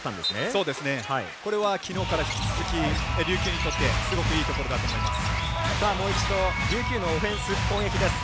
それはきのうから引き続き琉球にとってすごくいいところだと思います。